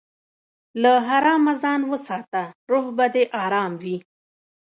له حرامه ځان وساته، روح به دې ارام وي.